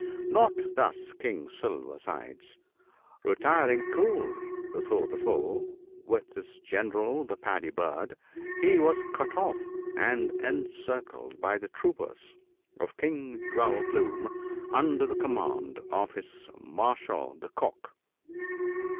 Not thus King Silver sides :— retiring coolly before the foe, with his General the Paddy bird, he was cut off and encircled by the troopers of King Jewel plume, under the command of his Marshal the Cock.